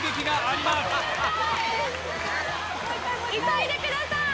急いでください！